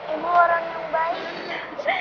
ibu orang yang baik